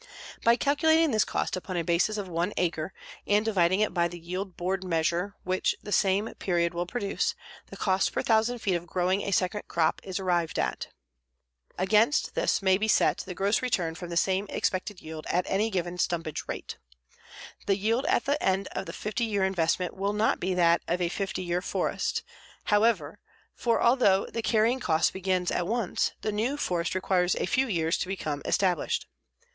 By calculating this cost upon a basis of one acre, and dividing it by the yield board measure which the same period will produce, the cost per thousand feet of growing a second crop is arrived at. Against this may be set the gross return from the same expected yield at any given stumpage rate. The yield at the end of a 50 year investment will not be that of a 50 year forest, however, for although the carrying cost begins at once, the new forest requires a few years to become established.